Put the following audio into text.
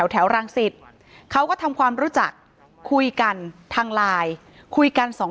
แถวรังสิทธิ์เขาก็ทำความรู้จักคุยกันทางลายคุยกัน๒